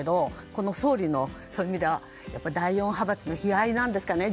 この総理のそういう意味では第４派閥の悲哀なんですかね。